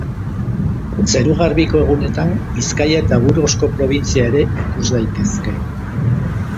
Zeru garbiko egunetan Bizkaia eta Burgosko probintzia ere ikus daitezke.